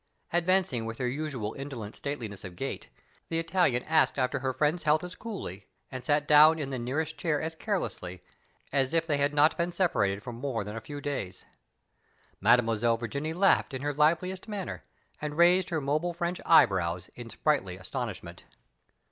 Advancing with her usual indolent stateliness of gait, the Italian asked after her friend's health as coolly, and sat down in the nearest chair as carelessly, as if they had not been separated for more than a few days. Mademoiselle Virginie laughed in her liveliest manner, and raised her mobile French eyebrows in sprightly astonishment.